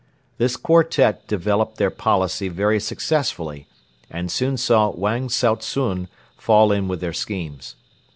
This quartette developed their policy very successfully and soon saw Wang Tsao tsun fall in with their schemes.